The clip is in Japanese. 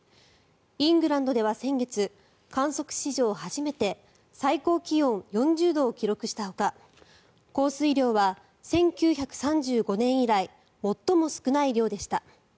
イングランドでは先月観測史上初めて最高気温４０度を記録したほか降水量は１９３５年以来最も少ない量でした。